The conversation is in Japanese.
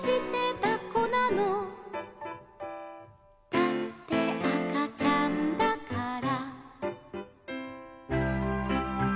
「だってあかちゃんだから」